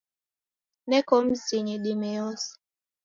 Neko mzinyi dime yose.